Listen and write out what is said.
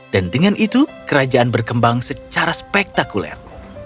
dan dengan itu kerajaan berkembang secara spektakuler